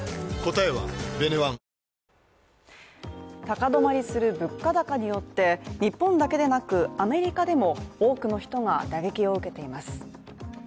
高止まりする物価高によって日本だけでなくアメリカでも多くの人が打撃を受けています。